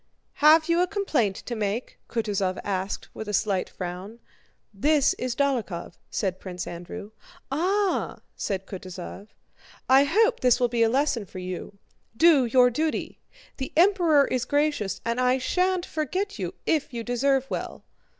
"Have you a complaint to make?" Kutúzov asked with a slight frown. "This is Dólokhov," said Prince Andrew. "Ah!" said Kutúzov. "I hope this will be a lesson to you. Do your duty. The Emperor is gracious, and I shan't forget you if you deserve well."